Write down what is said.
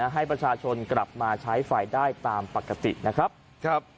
ให้ประชาชนกลับมาใช้ไฟได้ตามปกตินะครับ